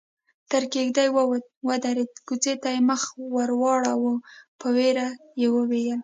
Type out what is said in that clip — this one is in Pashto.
تر کېږدۍ ووت، ودرېد، کوچي ته يې مخ ور واړاوه، په وېره يې وويل: